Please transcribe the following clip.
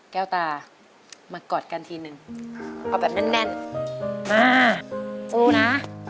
แก้วตามากอดกันทีนึงเอาแบบแน่นมาสู้นะ